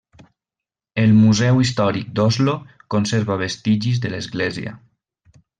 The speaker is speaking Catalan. El Museu Històric d'Oslo conserva vestigis de l'església.